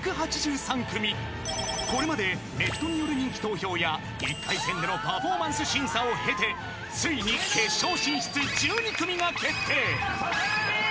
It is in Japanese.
［これまでネットによる人気投票や１回戦でのパフォーマンス審査を経てついに決勝進出１２組が決定］